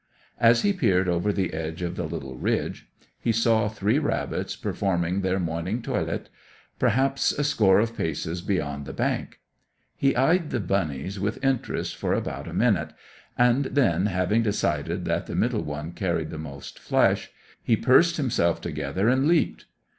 As he peered over the edge of the little ridge, he saw three rabbits performing their morning toilet, perhaps a score of paces beyond the bank. He eyed the bunnies with interest for about a minute, and then, having decided that the middle one carried the most flesh, he pursed himself together and leaped.